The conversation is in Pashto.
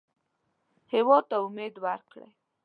هېواد ته امید ورکړئ